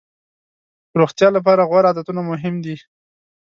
روغتیا لپاره غوره عادتونه مهم دي.